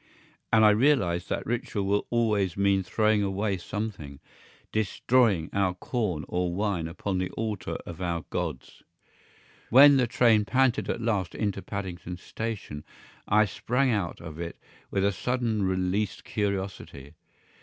And I realised that ritual will always mean throwing away something; DESTROYING our corn or wine upon the altar of our gods. When the train panted at last into Paddington Station I sprang out of it with a suddenly released curiosity.